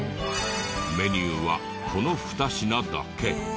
メニューはこの２品だけ。